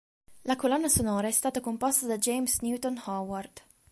La colonna sonora è stata composta da James Newton Howard.